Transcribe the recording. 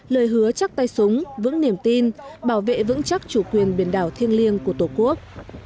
lời hứa chắc tay súng vững niềm tin bảo vệ vững chắc chủ quyền biển đảo thiêng liêng của tổ quốc